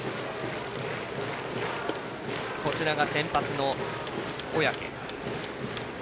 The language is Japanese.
こちらが先発の小宅。